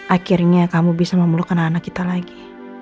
akhirnya kamu bisa memelukkan anak kita lagi